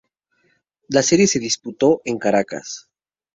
La serie se disputó en Caracas.